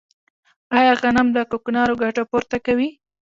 آیا غنم د کوکنارو ګټه پوره کوي؟